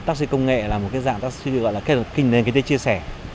tắc suy công nghệ là một cái dạng tắc suy gọi là kinh nền kinh tế chia sẻ